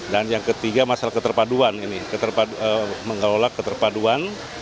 dan yang ketiga masalah keterpaduan ini mengelola keterpaduan